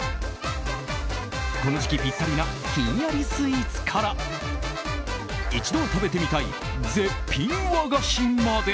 この時期ピッタリなひんやりスイーツから一度は食べてみたい絶品和菓子まで。